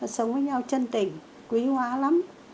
sống với nhau chân tỉnh quý hóa lắm